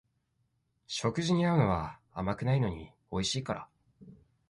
食事に合うのは甘くないのにおいしいから